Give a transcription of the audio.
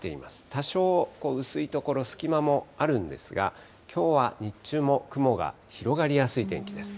多少、薄いところ、隙間もあるんですけれど、きょうは日中も雲が広がりやすい天気です。